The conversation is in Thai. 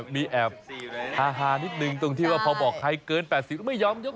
มีแอบฮานิดนึงตรงที่ว่าพอบอกใครเกิน๘๐แล้วไม่ยอมยก